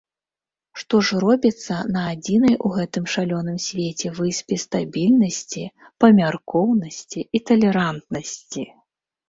Што ж робіцца на адзінай у гэтым шалёным свеце выспе стабільнасці, памяркоўнасці і талерантнасці!